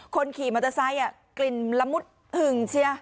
คนเคี่ยมมอเตอร์ไซด์อ่ะกลิ่นละมุดหึ่งใช่ไหม